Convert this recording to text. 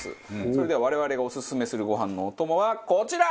それでは我々がオススメするご飯のお供はこちら！